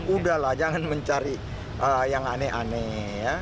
udahlah jangan mencari yang aneh aneh ya